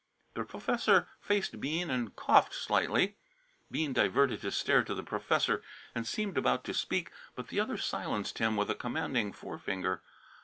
The professor faced Bean and coughed slightly. Bean diverted his stare to the professor and seemed about to speak, but the other silenced him with a commanding forefinger.